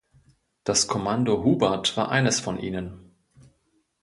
Das Commando Hubert war eines von ihnen.